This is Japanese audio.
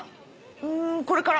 うんこれから。